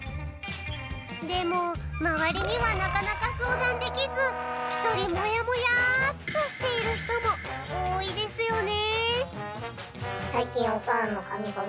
でも周りにはなかなか相談できず１人モヤモヤとしている人も多いですよね。